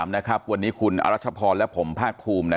นะครับวันนี้อำราชพรและผมภาคภูมิ